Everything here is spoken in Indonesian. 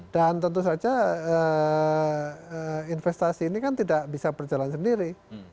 dan tentu saja investasi ini kan tidak bisa berjalan sendiri